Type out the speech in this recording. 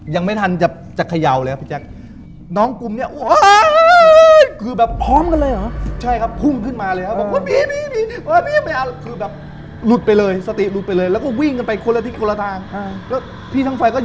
ยังไม่ทันจะเขย่าเลยครับพี่แจ๊ก